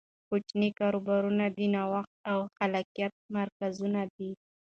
کوچني کاروبارونه د نوښت او خلاقیت مرکزونه دي.